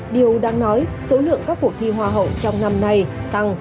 điều đang nói số lượng các cuộc thi hoa hậu trong năm nay tăng